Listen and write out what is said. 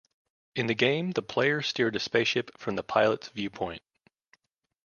In the game the player steered a spaceship from the pilot's viewpoint.